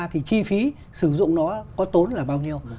thì chi phí sử dụng nó có tốn là bao nhiêu